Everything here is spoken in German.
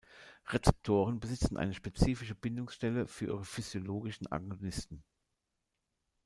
Rezeptoren besitzen eine spezifische Bindungsstelle für ihren physiologischen Agonisten.